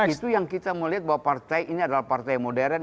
itu yang kita melihat bahwa partai ini adalah partai modern